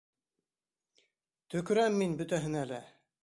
Төкөрәм мин бөтәһенә лә!